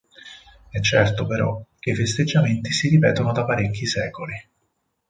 È certo, però, che i festeggiamenti si ripetono da parecchi secoli.